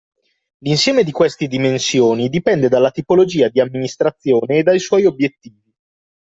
L'insieme di queste dimensioni dipende dalla tipologia di amministrazione e dai suoi obiettivi